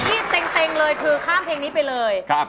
ที่เต็งเลยคือข้ามเพลงนี้ไปเลย